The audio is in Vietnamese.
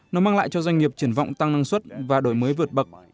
nó mang lại cho doanh nghiệp triển vọng tăng năng suất và đổi mới vượt bậc